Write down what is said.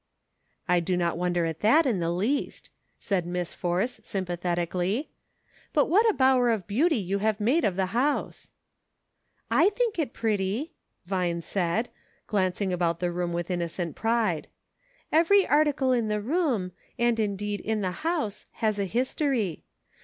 " I do not wonder at that in the least," said Miss Force sympathetically ;" but what a bower of beauty you have made of the house !"" I think it pretty," Vine said, glancing about the room with innocent pride ;*' every article in the room, and indeed in the house, has a history.